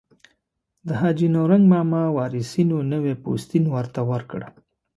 د حاجي نورنګ ماما وارثینو نوی پوستین ورته ورکړ.